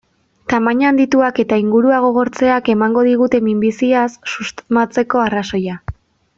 Tamaina handituak eta ingurua gogortzeak emango digute minbiziaz susmatzeko arrazoia.